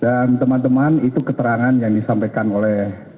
dan teman teman itu keterangan yang disampaikan oleh